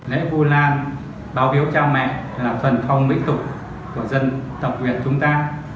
lễ vu lan báo biểu cho mẹ là phần phong mỹ tục của dân tộc việt chúng ta